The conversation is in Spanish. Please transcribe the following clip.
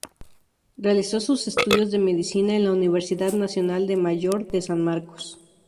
Realizó sus estudios de medicina en la Universidad Nacional Mayor de San Marcos.